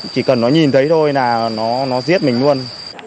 chỉ cần nó nhìn thấy thôi là nó giết mình luôn